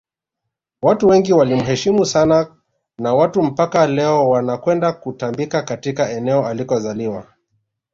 watu wengi walimuheshimu sana na watu mpaka leo wanakwenda kutambika katika eneo alikozaliwa